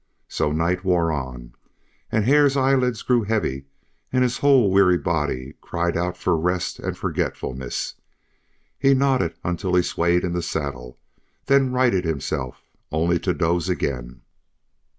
So the night wore on, and Hare's eyelids grew heavy, and his whole weary body cried out for rest and forgetfulness. He nodded until he swayed in the saddle; then righted himself, only to doze again.